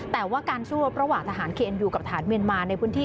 แต่ว่าการสู้รบระหว่างทหารเคนยูกับทหารเมียนมาในพื้นที่